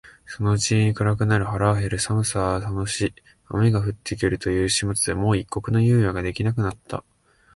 そのうちに暗くなる、腹は減る、寒さは寒し、雨が降って来るという始末でもう一刻の猶予が出来なくなった